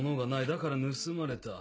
だから盗まれた。